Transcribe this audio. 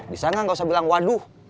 di sana nggak usah bilang waduh